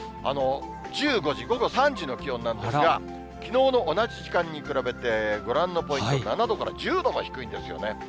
１５時、午後３時の気温なんですが、きのうの同じ時間に比べて、ご覧のポイント、７度から１０度も低いんですよね。